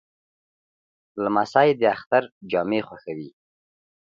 لمسی د اختر جامې خوښوي.